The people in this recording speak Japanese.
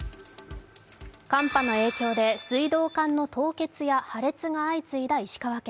寒波の影響で水道管の凍結や破裂が相次いだ石川県。